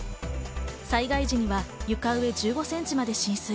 災害時には床上１５ｃｍまで浸水。